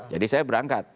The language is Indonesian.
jadi saya berangkat